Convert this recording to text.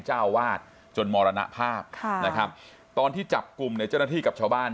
เจ้าวาดจนมรณภาพค่ะนะครับตอนที่จับกลุ่มเนี่ยเจ้าหน้าที่กับชาวบ้าน